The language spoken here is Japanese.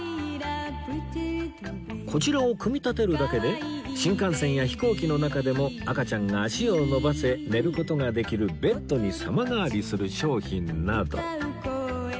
こちらを組み立てるだけで新幹線や飛行機の中でも赤ちゃんが脚を伸ばせ寝る事ができるベッドに様変わりする商品など